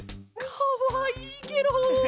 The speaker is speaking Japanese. かわいいケロ！